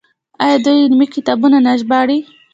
آیا دوی علمي کتابونه نه ژباړي؟